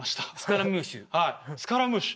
スカラムーシュ。